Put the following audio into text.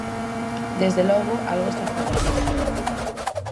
Desde logo, algo está fallando.